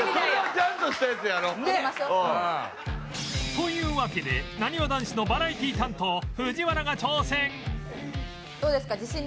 というわけでなにわ男子のバラエティー担当藤原が挑戦